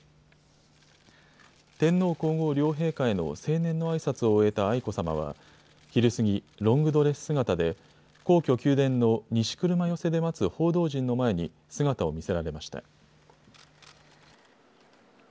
天皇皇后両陛下への成年のあいさつを終えた愛子さまは昼過ぎ、ロングドレス姿で皇居・宮殿の西車寄で待つ報道陣の前に姿を見せられました。